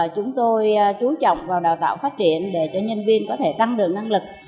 chúng tôi chú trọng vào đào tạo phát triển để cho nhân viên có thể tăng được năng lực